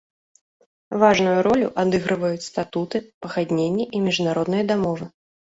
Важную ролю адыгрываюць статуты, пагадненні і міжнародныя дамовы.